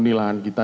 tidak ada itu ya